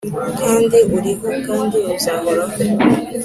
Kandi uriho, kandi uzahoraho.